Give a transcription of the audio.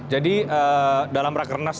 jadi dalam rakernas